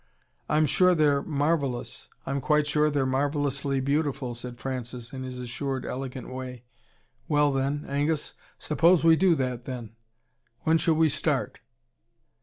"I'm SURE they're marvellous. I'm quite sure they're marvellously beautiful," said Francis, in his assured, elegant way. "Well, then, Angus suppose we do that, then? When shall we start?"